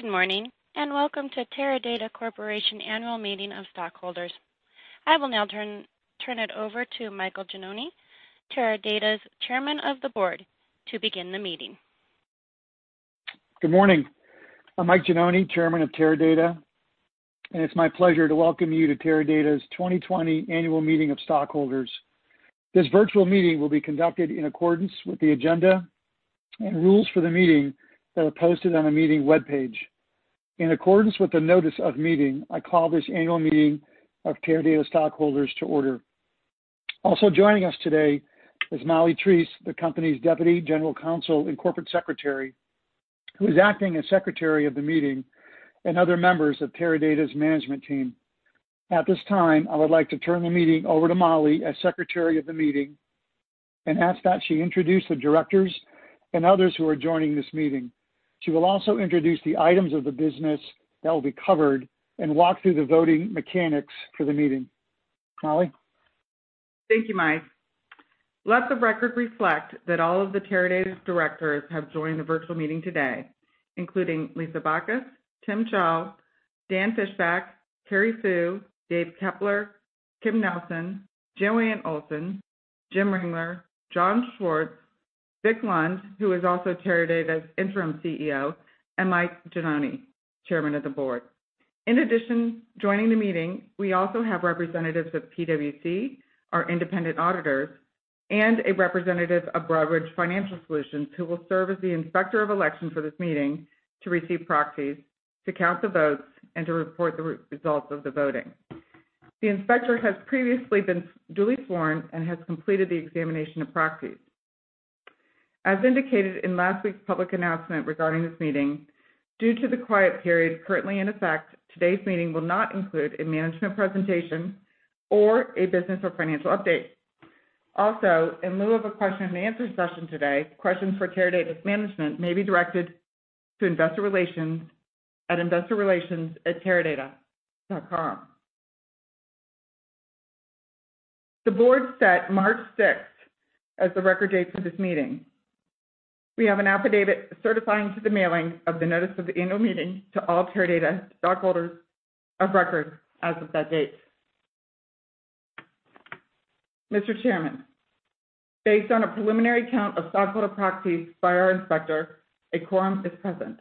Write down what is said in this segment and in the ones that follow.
Good morning, and welcome to Teradata Corporation Annual Meeting of Stockholders. I will now turn it over to Michael Gianoni, Teradata's Chairman of the Board, to begin the meeting. Good morning. I'm Mike Gianoni, Chairman of Teradata, and it's my pleasure to welcome you to Teradata's 2020 Annual Meeting of Stockholders. This virtual meeting will be conducted in accordance with the agenda and rules for the meeting that are posted on the meeting webpage. In accordance with the notice of meeting, I call this annual meeting of Teradata stockholders to order. Also joining us today is Molly Treese, the company's Deputy General Counsel and Corporate Secretary, who is acting as Secretary of the meeting and other members of Teradata's management team. At this time, I would like to turn the meeting over to Molly as Secretary of the meeting, and ask that she introduce the directors and others who are joining this meeting. She will also introduce the items of the business that will be covered and walk through the voting mechanics for the meeting. Molly? Thank you, Mike. Let the record reflect that all of the Teradata's directors have joined the virtual meeting today, including Lisa Bacus, Tim Chou, Dan Fishback, Cary Fu, Dave Kepler, Kim Nelson, Joanne Olsen, Jim Ringler, John Schwarz, Vic Lund, who is also Teradata's Interim CEO, and Mike Gianoni, Chairman of the Board. Joining the meeting, we also have representatives of PwC, our independent auditors, and a representative of Broadridge Financial Solutions, who will serve as the Inspector of Election for this meeting to receive proxies, to count the votes, and to report the results of the voting. The inspector has previously been duly sworn and has completed the examination of proxies. As indicated in last week's public announcement regarding this meeting, due to the quiet period currently in effect, today's meeting will not include a management presentation or a business or financial update. Also, in lieu of a question and answer session today, questions for Teradata's management may be directed to Investor Relations at investor.relations@teradata.com. The board set March 6th as the record date for this meeting. We have an affidavit certifying to the mailing of the notice of the annual meeting to all Teradata stockholders of record as of that date. Mr. Chairman, based on a preliminary count of stockholder proxies by our inspector, a quorum is present,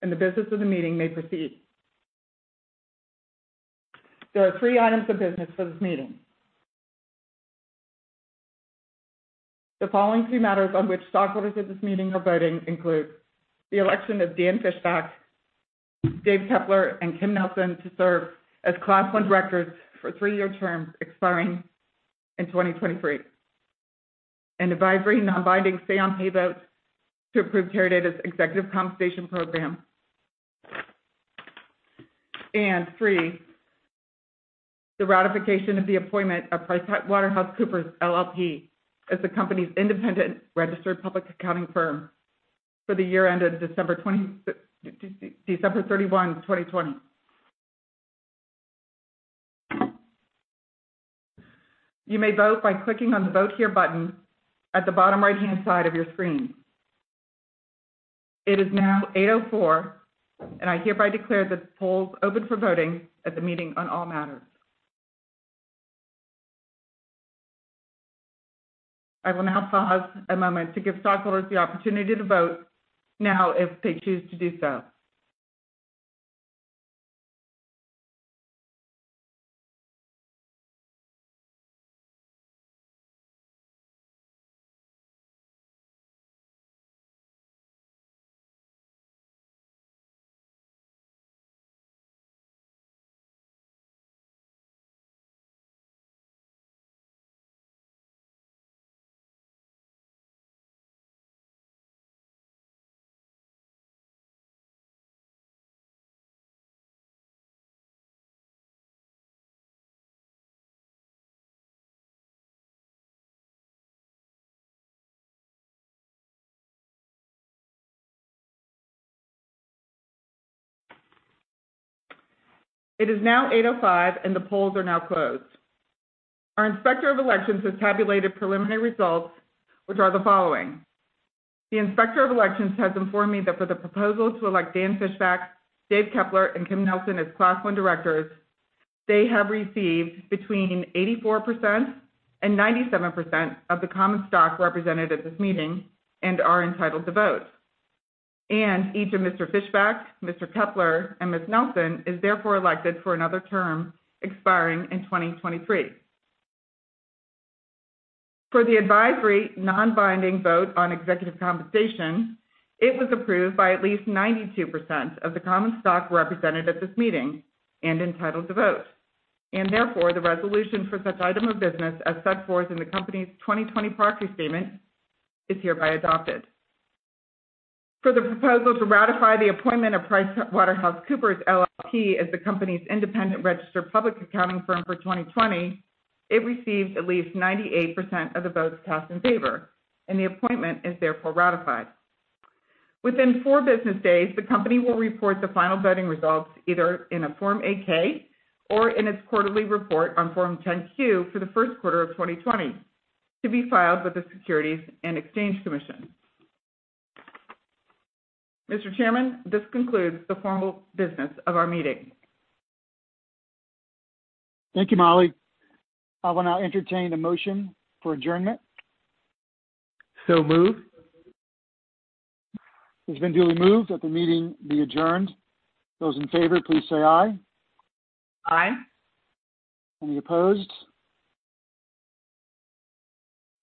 and the business of the meeting may proceed. There are three items of business for this meeting. The following three matters on which stockholders at this meeting are voting include the election of Dan Fishback, Dave Kepler, and Kim Nelson to serve as class one directors for three-year terms expiring in 2023, and advisory non-binding say on pay votes to approve Teradata's executive compensation program. Three, the ratification of the appointment of PricewaterhouseCoopers, LLP, as the company's independent registered public accounting firm for the year end of December 31st, 2020. You may vote by clicking on the Vote Here button at the bottom right-hand side of your screen. It is now 8:04, I hereby declare the polls open for voting at the meeting on all matters. I will now pause a moment to give stockholders the opportunity to vote now if they choose to do so. It is now 8:05, the polls are now closed. Our Inspector of Elections has tabulated preliminary results, which are the following. The Inspector of Elections has informed me that for the proposal to elect Dan Fishback, Dave Kepler, and Kim Nelson as class one directors, they have received between 84% and 97% of the common stock represented at this meeting and are entitled to vote. Each of Mr. Fishback, Mr. Kepler and Ms. Nelson is therefore elected for another term expiring in 2023. For the advisory non-binding vote on executive compensation, it was approved by at least 92% of the common stock represented at this meeting and entitled to vote. Therefore, the resolution for such item of business as set forth in the company's 2020 proxy statement is hereby adopted. For the proposal to ratify the appointment of PricewaterhouseCoopers, LLP as the company's independent registered public accounting firm for 2020, it received at least 98% of the votes cast in favor, and the appointment is therefore ratified. Within four business days, the company will report the final voting results either in a Form 8-K or in its quarterly report on Form 10-Q for the first quarter of 2020, to be filed with the Securities and Exchange Commission. Mr. Chairman, this concludes the formal business of our meeting. Thank you, Molly. I will now entertain a motion for adjournment. Moved. It's been duly moved that the meeting be adjourned. Those in favor, please say aye. Aye. Any opposed?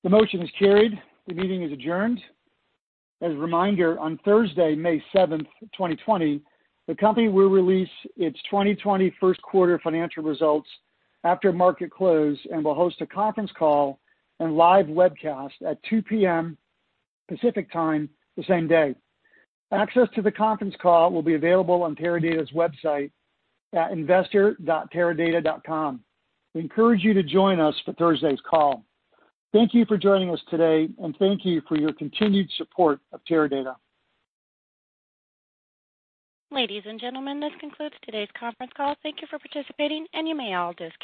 The motion is carried. The meeting is adjourned. As a reminder, on Thursday, May 7th, 2020, the company will release its 2020 first quarter financial results after market close and will host a conference call and live webcast at 2:00 P.M. Pacific Time the same day. Access to the conference call will be available on Teradata's website at investor.teradata.com. We encourage you to join us for Thursday's call. Thank you for joining us today, and thank you for your continued support of Teradata. Ladies and gentlemen, this concludes today's conference call. Thank you for participating. You may all disconnect.